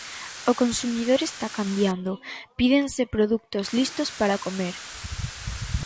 O consumidor está cambiando, pídense produtos listos para comer.